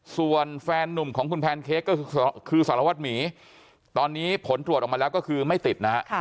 ส่วนแฟนนุ่มของคุณแพนเค้กก็คือสารวัตรหมีตอนนี้ผลตรวจออกมาแล้วก็คือไม่ติดนะฮะ